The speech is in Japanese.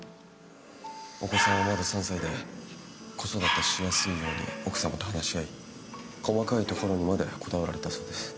お子さんはまだ３歳で子育てしやすいように奥様と話し合い細かいところにまでこだわられたそうです。